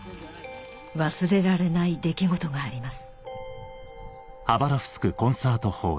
忘れられない出来事があります